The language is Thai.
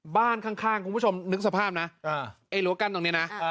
บ้านข้างคุณผู้ชมนึกสภาพนะไอ้รั้วกั้นตรงนี้นะ